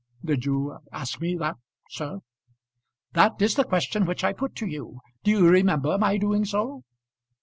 "Did you ask me that, sir?" "That is the question which I put to you. Do you remember my doing so?"